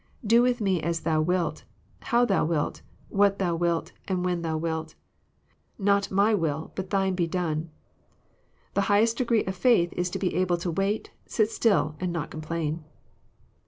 Do with .me as Thou wilt, how Thou wilt, what Thou wilt, and when Thou wilt. Not my will, but Thine be done." The highest degree of faith is to be able to wait, sit still, and not complain.